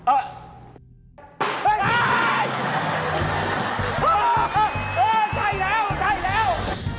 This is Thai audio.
อ้าวใช่แล้วใช่แล้ว